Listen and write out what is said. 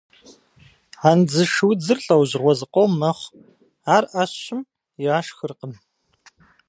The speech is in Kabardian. Андзыш удзыр лӏэужьыгъуэ зыкъом мэхъу, ар ӏэщым яшхыркъым.